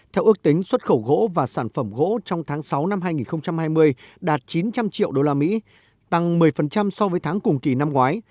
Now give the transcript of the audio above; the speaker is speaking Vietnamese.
theo ước tính xuất khẩu gỗ và sản phẩm gỗ trong tháng sáu năm hai nghìn hai mươi đạt chín trăm linh triệu usd tăng một mươi so với tháng cùng kỳ năm ngoái